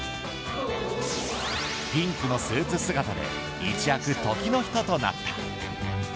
ピンクのスーツ姿で一躍、時の人となった。